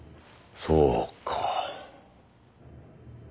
そうか。